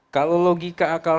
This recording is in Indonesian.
kalau logika akal